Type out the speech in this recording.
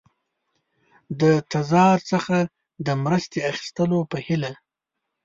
د تزار څخه د مرستې اخیستلو په هیله.